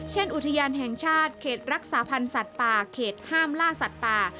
อุทยานแห่งชาติเขตรักษาพันธ์สัตว์ป่าเขตห้ามล่าสัตว์ป่า